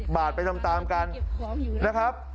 บาทไปตามกันนะครับ